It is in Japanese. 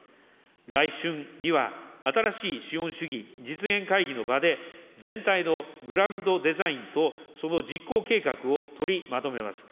来春には、新しい資本主義実現会議の場で、全体のグランドデザインとその実行計画を取りまとめます。